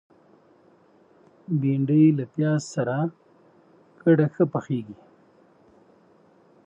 بېنډۍ له پیاز سره ګډه ښه پخیږي